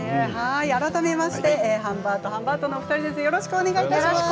改めましてハンバートハンバートのお二人です。